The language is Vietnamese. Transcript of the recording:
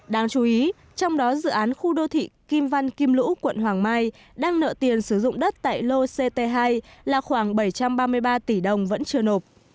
đáng chú ý trong đó dự án khu đô thị kim văn kim lũ quận hoàng mai đang nợ tiền sử dụng đất tại lô ct hai là khoảng bảy trăm ba mươi ba tỷ đồng vẫn chưa nộp